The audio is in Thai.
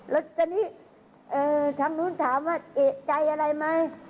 แล้วตอนนี้ทางนู้นถามว่าเอกใจอะไรไหม